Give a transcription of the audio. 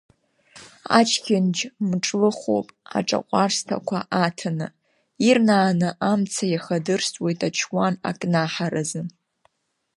Ачхьынџь мҿлыхуп, аҿаҟәарсҭақәа аҭаны, ирнааны амца иахадырсуеит ачуан акнаҳаразы.